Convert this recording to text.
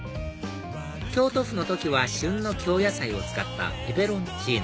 京都府の時は旬の京野菜を使ったペペロンチーノ